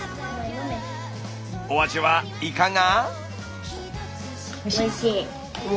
お味はいかが？